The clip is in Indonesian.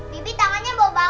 bibi tamanya bawa banget